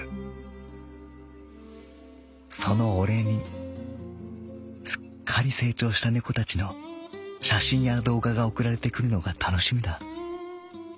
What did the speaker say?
そのお礼にすっかり成長した猫たちの写真や動画が送られてくるのが楽しみだ」。